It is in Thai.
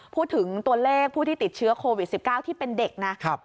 พูดถึงตัวเลขผู้ที่ติดเชื้อโควิด๑๙ที่เป็นเด็กนะ